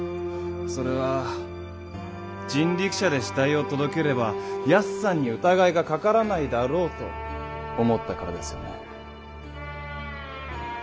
それは人力車で死体を届ければヤスさんに疑いがかからないだろうと思ったからですよね。